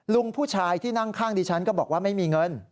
ลุงผู้ชายที่นั่งข้างดิฉันก็บอกว่าไม่มีเงิน